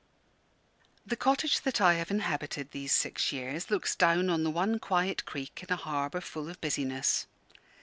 The cottage that I have inhabited these six years looks down on the one quiet creek in a harbour full of business.